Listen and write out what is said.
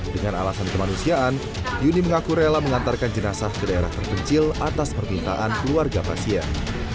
dengan alasan kemanusiaan yuni mengaku rela mengantarkan jenazah ke daerah terpencil atas permintaan keluarga pasien